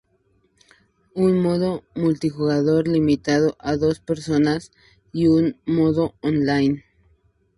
Un modo multijugador limitado a dos personas, y un modo online.